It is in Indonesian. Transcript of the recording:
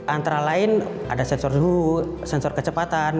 antara lain ada sensor suhu sensor kecepatan